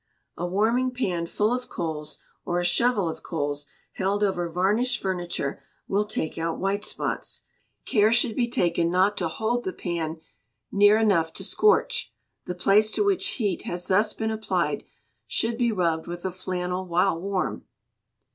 A warming pan full of coals, or a shovel of coals, held over varnished furniture, will take out white spots. Care should be taken not to hold the pan near enough to scorch; the place to which heat has thus been applied, should be rubbed with a flannel while warm.